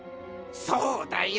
そうだよ！